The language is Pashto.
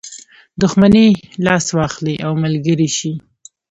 دښمني لاس واخلي او ملګری شي.